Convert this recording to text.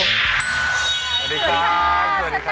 สวัสดีค่ะ